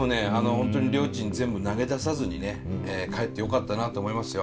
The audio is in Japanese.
本当にりょーちん全部投げ出さずにね帰ってよかったなと思いますよ